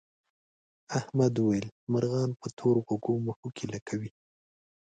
احمد وویل مرغان پر تور غوږو مښوکې لکوي.